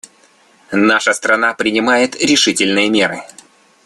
Наша страна принимает решительные меры.